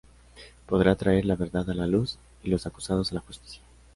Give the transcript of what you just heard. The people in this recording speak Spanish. Podrá traer la verdad a la luz y a los acusados a la justicia?